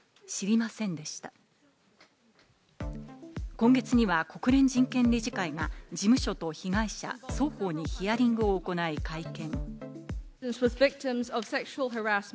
今月には国連人権理事会が事務所と被害者、双方にヒアリングを行い、会見。